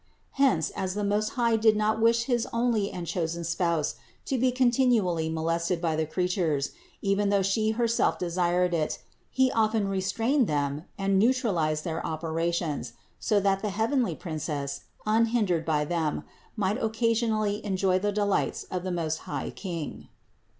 Hence, as the Most High did not wish his only and chosen Spou»e to be continually molested by the crea tures, even though She herself desired it, He often restrained them and neutralized their operations, so that the heavenly Princess, unhindered by them, might occa sionally enjoy the delights of the most high King.